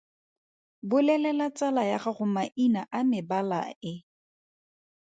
Bolelela tsala ya gago maina a mebala e.